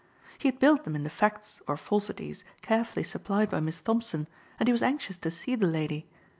He had built them in the facts or falsities carefully supplied by Miss Thompson and he was anxious to see the lady.